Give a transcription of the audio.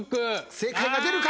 正解が出るか？